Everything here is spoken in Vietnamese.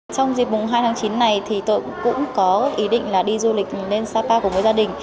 trong dịp mùng hai tháng chín này thì tôi cũng có ý định là đi du lịch lên sapa cùng với gia đình